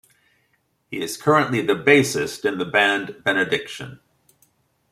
He is currently the bassist in the band Benediction.